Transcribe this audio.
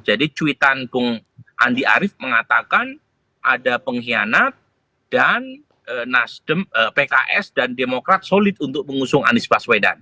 jadi tweetan bung andi arief mengatakan ada pengkhianat dan pks dan demokrat solid untuk mengusung anis baswedan